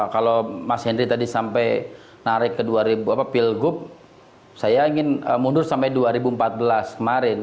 kalau mas henry tadi sampai narik ke dua pilgub saya ingin mundur sampai dua ribu empat belas kemarin